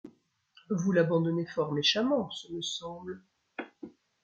Vous l'abandonnez fort méchamment, ce me semble !